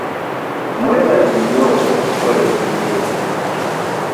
Mwebale nnyo okukola emirimu egyo.